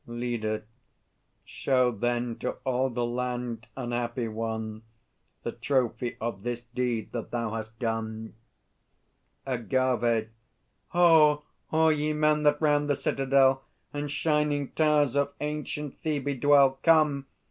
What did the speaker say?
LEADER. Show then to all the land, unhappy one, The trophy of this deed that thou hast done! AGAVE. Ho, all ye men that round the citadel And shining towers of ancient Thêbê dwell, Come!